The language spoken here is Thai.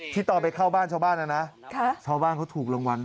ตอนไปเข้าบ้านชาวบ้านนะนะชาวบ้านเขาถูกรางวัลด้วย